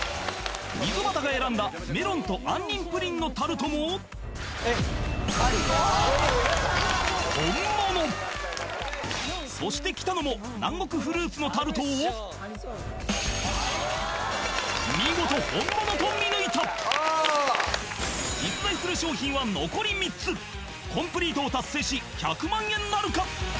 溝端が選んだメロンと杏仁プリンのタルトも本物そして北乃も南国フルーツのタルトを見事本物と見抜いた実在する商品は残り３つコンプリートを達成し１００万円なるか？